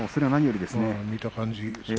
見た感じ。